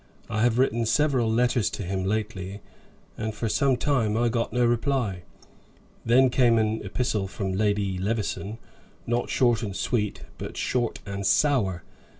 I have written several letters to him lately, and for some time I got no reply. Then came an epistle from Lady Levison; not short and sweet, but short and sour.